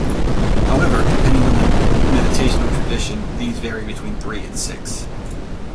However, depending on the meditational tradition, these vary between three and six.